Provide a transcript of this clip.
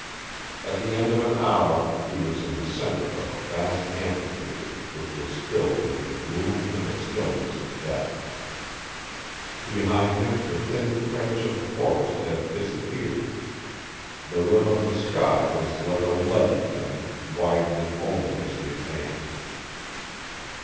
At the end of an hour he was in the center of a vast amphitheater which was filled with the gloom and the stillness of death. Behind him the thin fringe of the forest had disappeared. The rim of the sky was like a leaden thing, widening only as he advanced.